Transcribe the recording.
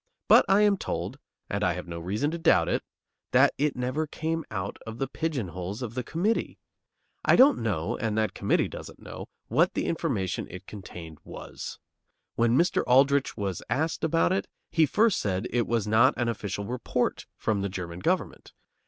But I am told, and I have no reason to doubt it, that it never came out of the pigeonholes of the committee. I don't know, and that committee doesn't know, what the information it contained was. When Mr. Aldrich was asked about it, he first said it was not an official report from the German government.